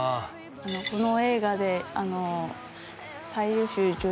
この映画で最優秀女優